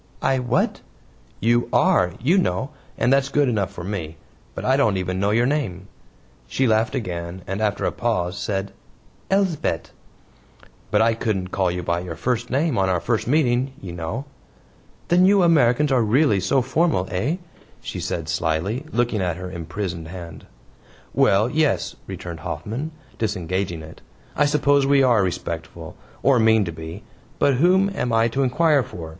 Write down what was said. "I WHAT?" "You ARE, you know, and that's good enough for me, but I don't even know your name." She laughed again, and after a pause, said: "Elsbeth." "But I couldn't call you by your first name on our first meeting, you know." "Then you Americans are really so very formal eh?" she said slyly, looking at her imprisoned hand. "Well, yes," returned Hoffman, disengaging it. "I suppose we are respectful, or mean to be. But whom am I to inquire for?